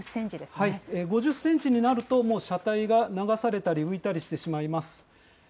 ５０センチになると、もう車体が流されたり浮いたりしてしまいます。